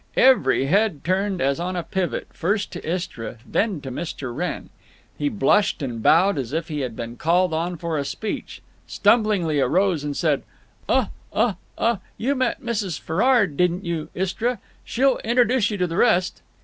Every head turned as on a pivot, first to Istra, then to Mr. Wrenn. He blushed and bowed as if he had been called on for a speech, stumblingly arose, and said: "Uh—uh—uh—you met Mrs. Ferrard, didn't you, Istra? She'll introduce you to the rest."